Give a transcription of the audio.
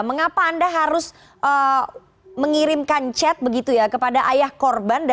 mengapa anda harus mengirimkan chat begitu ya karena kita juga sudah mencari jawaban dari para